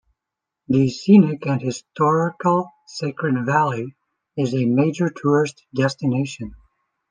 The scenic and historical Sacred Valley is a major tourist destination.